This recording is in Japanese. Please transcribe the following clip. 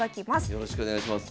よろしくお願いします。